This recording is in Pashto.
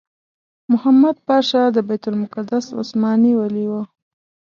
محمد پاشا د بیت المقدس عثماني والي وو.